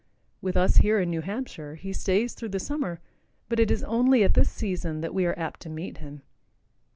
With us here in New Hampshire, he stays through the summer, but it is only at this season that we are apt to meet him.